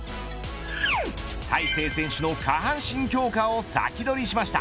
大勢選手の下半身強化を先取りしました。